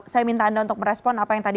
saya minta anda untuk merespon apa yang tadi